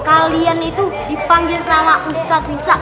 kalian itu dipanggil nama ustadz musa